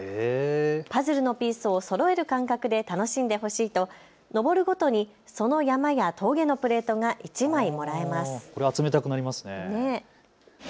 パズルのピースをそろえる感覚で楽しんでほしいと、登るごとにその山や峠のプレートが１枚もらえます。